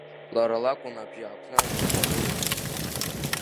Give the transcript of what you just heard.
Лара лакәын абжьааԥны ажә зхьалозгьы.